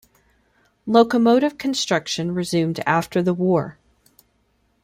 Locomotive construction resumed after the war.